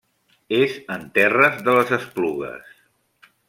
És en terres de les Esplugues.